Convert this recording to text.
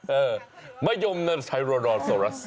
เออมะย่มไทรนอสโทรัส